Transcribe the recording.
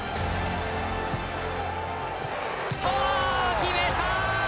決めた！